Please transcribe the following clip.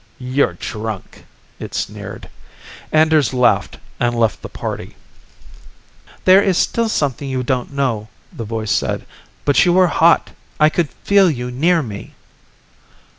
"You're drunk," it sneered. Anders laughed and left the party. "There is still something you don't know," the voice said. "But you were hot! I could feel you near me."